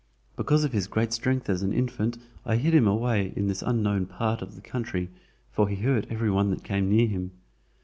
Because of his great strength as an infant I hid him away in this unknown part of the country, for he hurt every one that came near him.